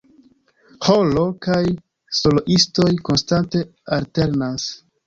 Ĥoro kaj soloistoj konstante alternas.